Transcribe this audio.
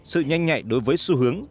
sự nhanh nhạy đối với xu hướng